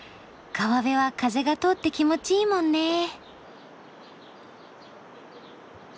川辺は風が通って気持ちいいもんね。